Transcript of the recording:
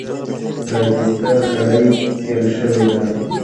راجستر لړۍ پیل شوې ده.